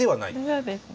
そうです。